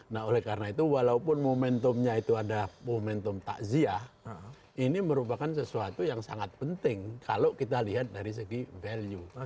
nah oleh karena itu walaupun momentumnya itu ada momentum takziah ini merupakan sesuatu yang sangat penting kalau kita lihat dari segi value